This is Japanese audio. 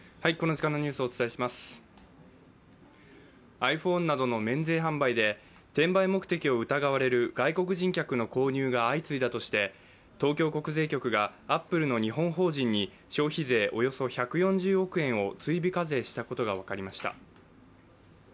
ｉＰｈｏｎｅなどの免税販売で転売目的を疑われる外国人客の購入が相次いだとして東京国税局がアップルの日本法人に消費税およそ１４０億円を追徴課税したことが分かりました。